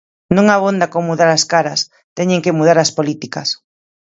Non abonda con mudar as caras, teñen que mudar as políticas.